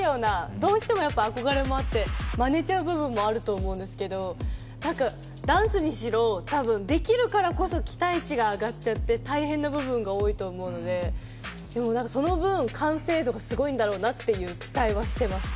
どうしても憧れもあって、まねちゃう部分もあると思うんですけど、ダンスにしろ、多分できるからこそ期待値が上がっちゃって大変な部分が多いと思うので、その分、完成度がすごいんだろうなっていう期待はしてます。